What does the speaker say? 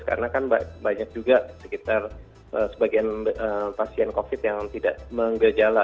karena kan banyak juga sekitar sebagian pasien covid yang tidak menggejala